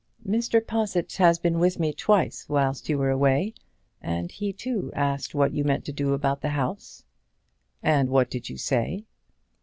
"Mr. Possitt has been with me twice whilst you were away, and he, too, asked what you meant to do about the house." "And what did you say?"